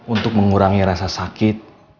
untuk mengurangi rasa sakit